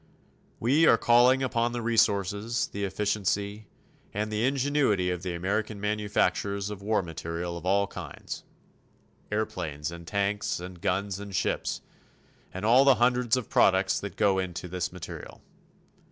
We are calling upon the resources, the efficiency and the ingenuity of the American manufacturers of war material of all kinds airplanes and tanks and guns and ships, and all the hundreds of products that go into this material.